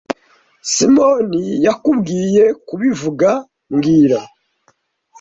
Simoni yakubwiye kubivuga mbwira